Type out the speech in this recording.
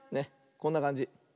こんなかんじ。